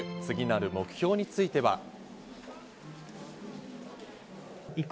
次なる目標については。